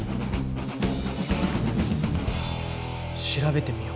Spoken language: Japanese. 調べてみよう。